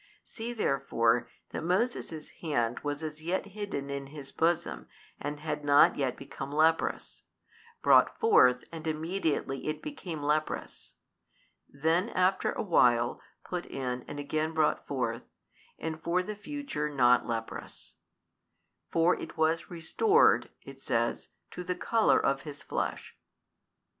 See therefore that Moses' hand was as yet hidden in his bosom and had not yet become leprous; brought forth and immediately it became leprous; then after a while put in and again brought forth, and for the future not leprous; for it was restored (it says) to the colour of his flesh.